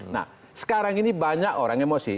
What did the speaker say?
nah sekarang ini banyak orang emosi